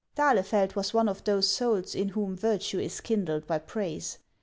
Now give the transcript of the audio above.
" D'Ahlefeld was one of those souls in whom virtue is kindled by praise.